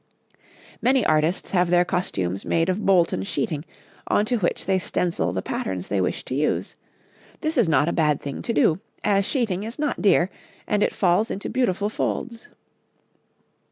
Many artists have their costumes made of Bolton sheeting, on to which they stencil the patterns they wish to use this is not a bad thing to do, as sheeting is not dear and it falls into beautiful folds.